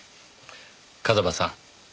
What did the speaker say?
風間さん